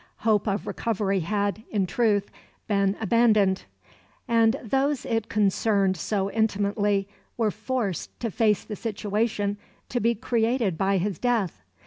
Hope of recovery had, in truth, been abandoned; and those it concerned so intimately were forced to face the situation to be created by his death.